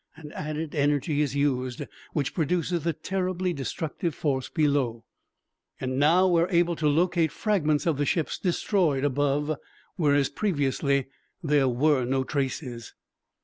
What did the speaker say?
An added energy is used which produces the terribly destructive force below. And now we are able to locate fragments of the ships destroyed above, whereas previously there were no traces."